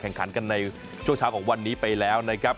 แข่งขันกันในช่วงเช้าของวันนี้ไปแล้วนะครับ